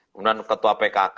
kemudian ketua pkk